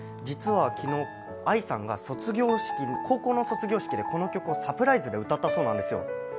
実は昨日、ＡＩさんが高校の卒業式でこの曲をサプライズで歌ったそうなんですよ。